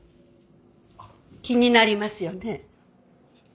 気になりますよね。